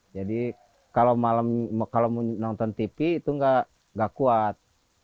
jadi kalau nonton tv itu nggak kuat